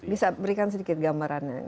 bisa berikan sedikit gambarannya